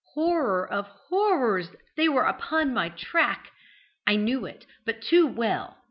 Horror of horrors! they were upon my track. I knew it but too well!